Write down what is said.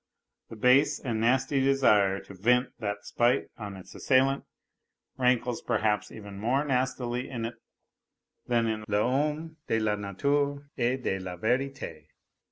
The base and nasty desire to vent that spite on its assailant rankles perhaps even more nastily in it than in VJiomme de la nature et de la verite.